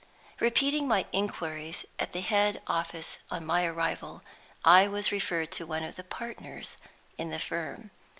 Repeating my inquiries at the head office on my arrival, I was referred to one of the partners in the firm.